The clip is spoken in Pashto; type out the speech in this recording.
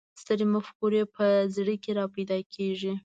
سترې مفکورې په زړه کې را پیدا کېږي.